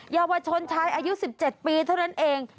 เยาวชนชายอายุ๑๗ปีเท่านั้นเอง